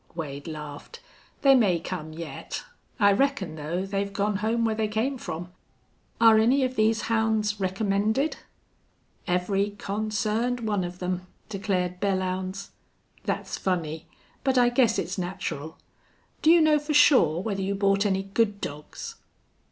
Wade laughed. "They may come yet. I reckon, though, they've gone home where they came from. Are any of these hounds recommended?" "Every consarned one of them," declared Belllounds. "That's funny. But I guess it's natural. Do you know for sure whether you bought any good dogs?"